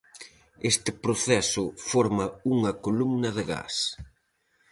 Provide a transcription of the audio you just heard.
Este proceso forma unha columna de gas.